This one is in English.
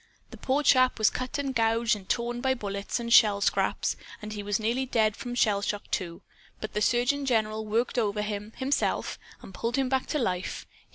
The poor chap was cut and gouged and torn by bullets and shell scraps, and he was nearly dead from shell shock, too. But the surgeon general worked over him, himself, and pulled him back to life.